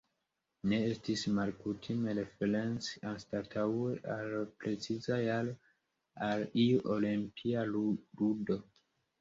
Ne estis malkutime referenci, anstataŭe al la preciza jaro, al iu Olimpia ludo.